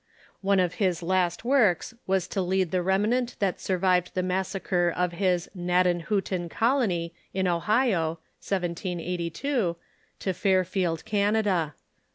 One of his last woi'ks was to lead the remnant that survived the massaci'e of his Gnadenhiitten colony in Ohio (1 782) to Fairfield, Canada.